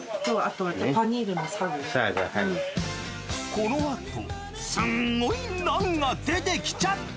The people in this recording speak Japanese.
このあとすんごいナンが出てきちゃった。